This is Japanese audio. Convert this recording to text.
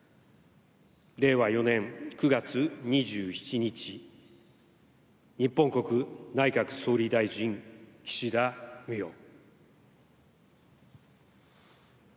令和４年９月２７日、日本国内閣総理大臣、岸田文雄。